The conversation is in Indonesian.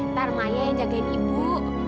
ntar manya yang jagain ibu